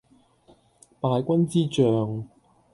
敗軍之將